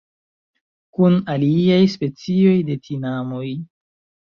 Kun aliaj specioj de tinamoj.